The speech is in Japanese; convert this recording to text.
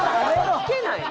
聞けないの？